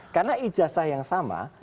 karena ijazah yang sama